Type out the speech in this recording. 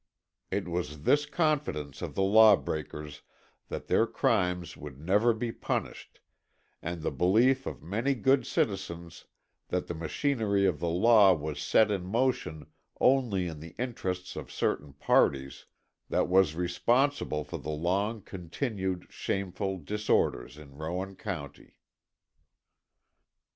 It was this confidence of the lawbreakers that their crimes would never be punished, and the belief of many good citizens that the machinery of the law was set in motion only in the interests of certain parties, that was responsible for the long continued, shameful disorders in Rowan County.